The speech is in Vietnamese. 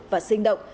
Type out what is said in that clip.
và sinh động